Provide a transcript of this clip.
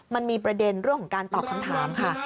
มันมีประเด็นเรื่องของการตอบคำถามค่ะ